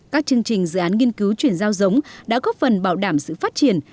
các chương trình dự án nghiên cứu chuyển giao giống đã góp phần bảo đảm sự phát triển